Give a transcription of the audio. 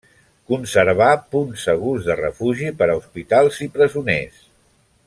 Conservà punts segurs de refugi per a hospitals i presoners.